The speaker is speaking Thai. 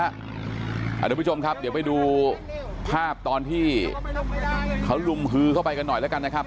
คุณผู้ชมครับเดี๋ยวไปดูภาพตอนที่เขาลุมฮือเข้าไปกันหน่อยแล้วกันนะครับ